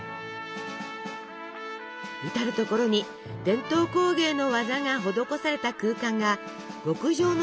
至る所に伝統工芸の技が施された空間が極上の旅を演出します。